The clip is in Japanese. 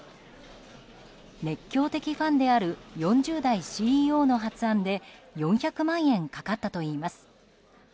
熱狂的ファンである４０代ＣＥＯの発案で４００万円かかったといいます。